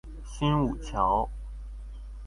新武橋